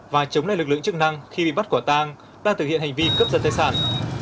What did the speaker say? và chống lại lực lượng chức năng khi bị bắt quả tang đang thực hiện hành vi cướp giật tài sản